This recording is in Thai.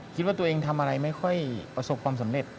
คิดว่าตัวเองทำอะไรไม่ค่อยประสบความสำเร็จ